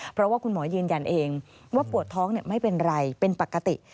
เพราะว่าคุณหมอยืนยันเองว่าปวดท้องไม่เป็นไรเป็นปกติ